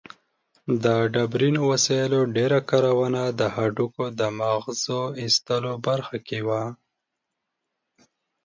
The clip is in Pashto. د ډبرینو وسایلو ډېره کارونه د هډوکو د مغزو ایستلو برخه کې وه.